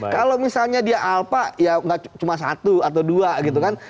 kalau misalnya dia alpa ya nggak cuma satu atau dua gitu kan